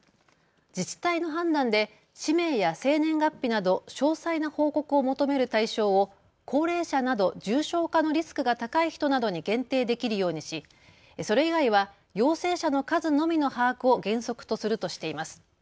自治体の判断で氏名や生年月日など詳細な報告を求める対象を高齢者など重症化のリスクが高い人などに限定できるようにしそれ以外は陽性者の数のみの把握を原則とするとしています。